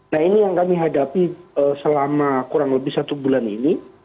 nah ini yang kami hadapi selama kurang lebih satu bulan ini